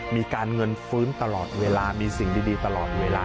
มีการเงินฟื้นตลอดเวลามีสิ่งดีตลอดเวลา